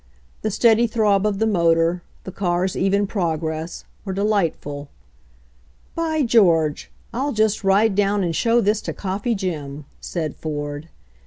The steady throb of the motor, the car's even progress, were delightful. "By George! I'll just ride down and show this to Coffee Jim," said Ford.